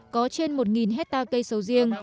có trên một hectare cây sầu riêng